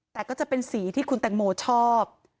แต่ก็จะเป็นสีที่คุณแตงโมชอบ